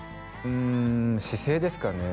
うん姿勢ですかね